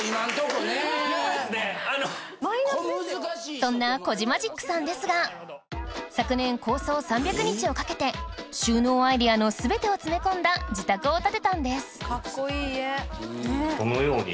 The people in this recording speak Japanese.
そんなコジマジックさんですが昨年構想３００日をかけて収納アイデアのすべてを詰め込んだ自宅を建てたんですかっこいい家。